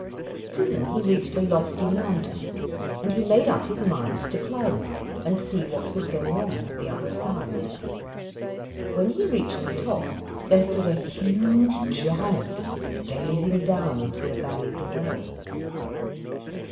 Soon he reached a lofty mountain, and he made up his mind to climb it and see what was going on at the other side. When he reached the top, there stood a huge giant, gazing down into the valley below.